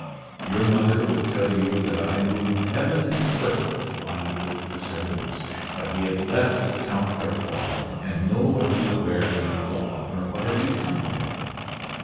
"Your mother would tell you that I moved heaven and earth to find the Duc de Sairmeuse. But he had left the Count d'Artois, and no one knew where he had gone or what had become of him.